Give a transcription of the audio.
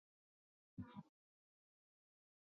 新浪网简介